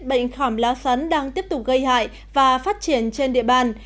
bệnh khảm lá sắn đang tiếp tục gây hại và phát triển trên địa bàn